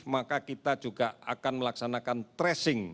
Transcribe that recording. maka kita juga akan melaksanakan tracing